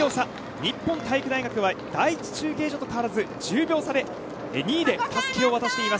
日本体育大学は第１中継所と変わらず１０秒差で２位でたすきを渡します。